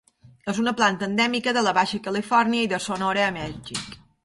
És una planta endèmica de la Baixa Califòrnia i de Sonora a Mèxic.